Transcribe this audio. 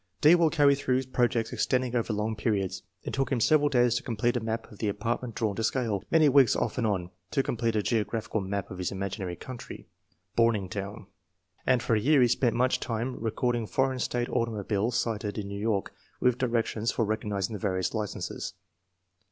"D. will carry through projects extending over long periods. It took him several days to complete a map of the apartment drawn to scale; many weeks off and on, to complete a geographical map of his imaginary country, ' Borningtown/ and for a year he spent much time recording foreign state automobiles sighted in New York, with directions for recognizing the various licenses.